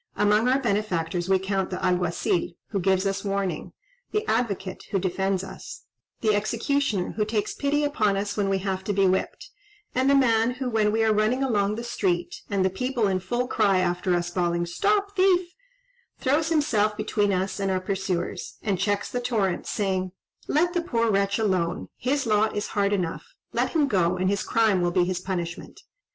Among our benefactors we count the Alguazil, who gives us warning; the Advocate, who defends us; the Executioner, who takes pity upon us when we have to be whipped, and the man who, when we are running along the street, and the people in full cry after us bawling 'Stop thief,' throws himself between us and our pursuers, and checks the torrent, saying, 'Let the poor wretch alone, his lot is hard enough; let him go, and his crime will be his punishment.'